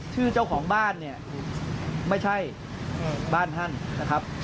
เจ้าของบ้านเนี่ยไม่ใช่บ้านท่านนะครับ